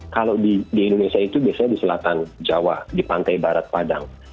kalau di indonesia itu biasanya di selatan jawa di pantai barat padang